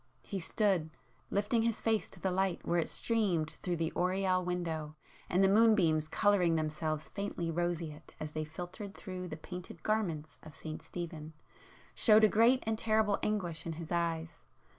He stood, lifting his face to the light where it streamed through the oriel window, and the moonbeams colouring themselves faintly roseate as they filtered through the painted [p 364] garments of St Stephen, showed a great and terrible anguish in his eyes.